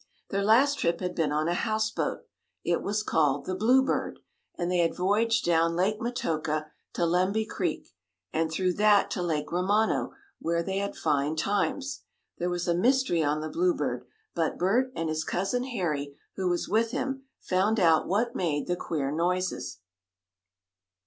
Their last trip had been on a houseboat. It was called the Bluebird, and they had voyaged down Lake Metoka to Lemby Creek, and through that to Lake Romano, where they had fine times. There was a mystery on the Bluebird, but Bert, and his cousin Harry, who was with him, found out what made the queer noises.